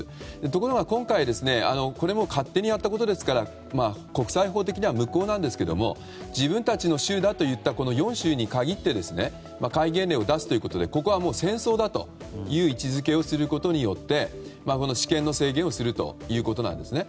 ところが今回、これも勝手にやったことですから国際法的には無効なんですけども自分たちの州だといったこの４州に限って戒厳令を出すということでここは戦争だという位置付けをすることによって私権の制限をするということですね。